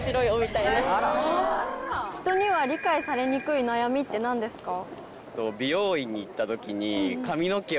ひとには理解されにくい悩みって何ですか？